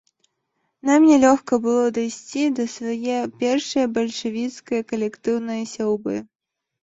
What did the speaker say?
Нам нялёгка было дайсці да свае першае бальшавіцкае калектыўнае сяўбы.